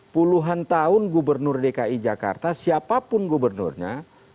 puluhan tahun gubernur dki jakarta siapapun gubernurnya